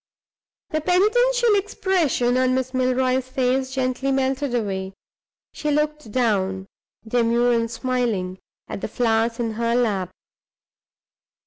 The penitential expression on Miss Milroy's face gently melted away; she looked down, demure and smiling, at the flowers in her lap.